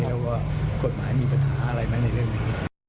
ว่ากฎหมายมีปัญหาอะไรไหมในเรื่องนี้